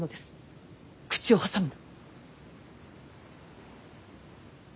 口を挟むな。